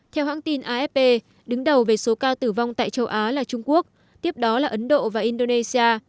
theo hãng tin afp đứng đầu về số ca tử vong tại châu á là trung quốc tiếp đó là ấn độ và indonesia